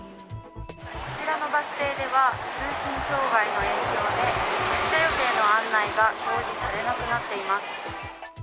こちらのバス停では通信障害の影響で発車予定の案内が表示されなくなっています。